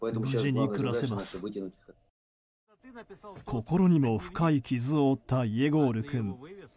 心にも深い傷を負ったイエゴール君。